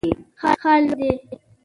ښار لوی دی.